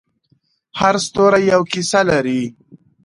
هر ستوری یوه کیسه لري.